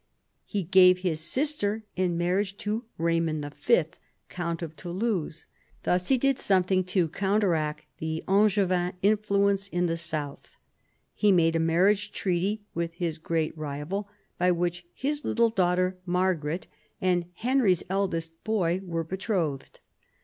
He gave his sister in marriage to Eaymond V., count of Toulouse. Thus he did something to counteract the Angevin influence in the south. He made a marri age treaty with his great rival, by which his little daughter Margaret and Henry's eldest boy were be trothed.